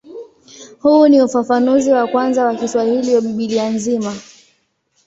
Huu ni ufafanuzi wa kwanza wa Kiswahili wa Biblia nzima.